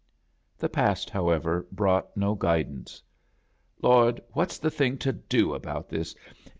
The past, however, brought no guid ance. "Lord, what's the thing to do about this?